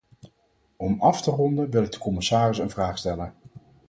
Om af te ronden wil ik de commissaris een vraag stellen.